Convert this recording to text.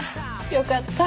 よかった。